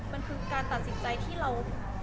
มันคือการตัดสินใจที่เรา